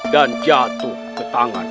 dan jatuh ke tangan